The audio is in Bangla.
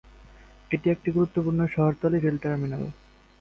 এটি একটি গুরুত্বপূর্ণ শহরতলি রেল টার্মিনাল।